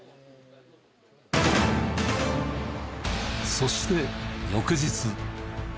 そして翌日。